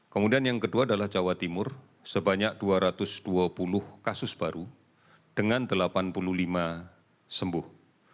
kemudian yang kedua adalah jawa timur sebanyak dua ratus dua puluh kasus baru dengan delapan puluh lima sembuh